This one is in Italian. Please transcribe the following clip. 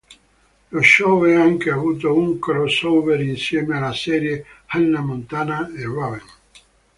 Lo show ha anche avuto un crossover insieme alle serie "Hannah Montana" e "Raven".